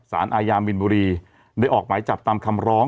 อายามินบุรีได้ออกหมายจับตามคำร้อง